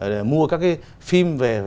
để mua các cái phim về